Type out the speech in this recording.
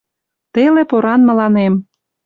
теле поран мыланем